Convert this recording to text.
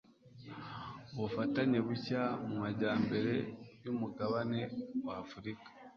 ubufatanye bushya mu majyambere y'umugabane w'afurika